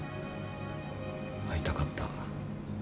会いたかった。